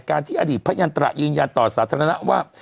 ที่อดีตพระยันตระยืนยันต่อสาธารณะว่า